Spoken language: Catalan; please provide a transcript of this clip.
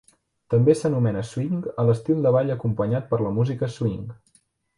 També s'anomena swing a l'estil de ball acompanyat per la música swing.